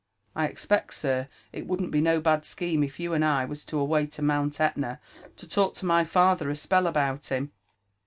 I expect, sir, it wouldn't be no bad scheme it you and I was to away to Mount Etna to talk to my father a spell about him.